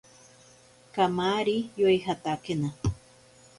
Kamari yoijatakena.